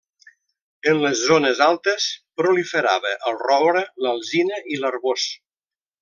En les zones altes proliferava el roure, l'alzina i l'arboç.